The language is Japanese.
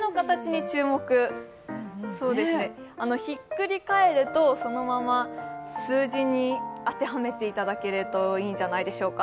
ひっくり返るとそのまま数字に当てはめていただけるといいんじゃないでしょうか。